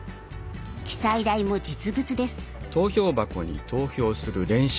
記載台も実物です。